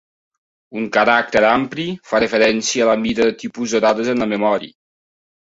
Un caràcter ampli fa referència a la mida del tipus de dades en la memòria.